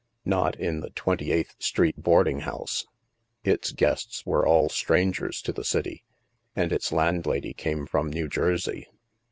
Not in the Twenty eighth Street boarding house; its guests were all strangers to the city, and its landlady came from New Jersey.